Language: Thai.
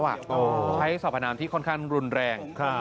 ใช้สรรพนามที่ค่อนข้างรุนแรง